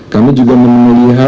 kami juga menemukan adanya frustrasi